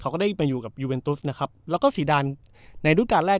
เขาก็ได้มาอยู่กับยูเวนทุสนะครับแล้วก็ซีดานในรูปการณ์แรก